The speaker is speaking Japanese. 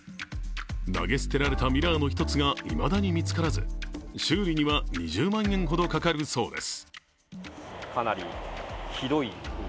投げ捨てられたミラーの１つがいまだに見つからず、修理には２０万円ほどかかるそうです。